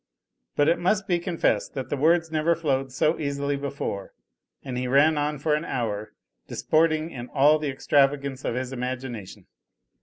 But it must be confessed that the words never flowed so easily before, and he ran on for an hour disporting in all the extravagance of his imagination.